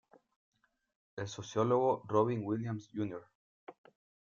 El sociólogo Robin Williams Jr.